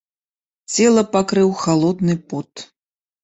Цела пакрыў халодны пот.